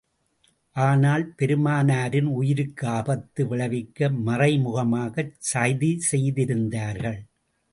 ஆனால் பெருமானாரின் உயிருக்கு ஆபத்து விளைவிக்க மறைமுகமாகச் சதி செய்திருந்தார்கள்.